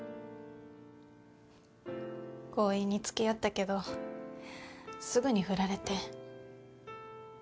強引に付き合ったけどすぐに振られて。